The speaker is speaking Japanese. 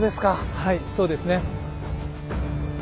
はいそうですね。